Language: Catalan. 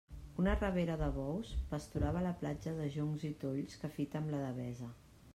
Una rabera de bous pasturava a la platja de joncs i tolls que fita amb la Devesa.